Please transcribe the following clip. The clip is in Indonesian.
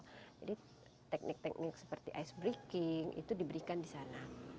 jadi teknik teknik seperti icebreaking itu diberikan di sana